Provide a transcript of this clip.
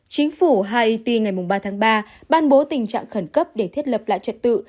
chính phủ haity ngày ba tháng ba ban bố tình trạng khẩn cấp để thiết lập lại trật tự